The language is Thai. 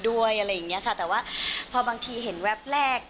อะไรอย่างเงี้ยค่ะแต่ว่าพอบางทีเห็นแวบแรก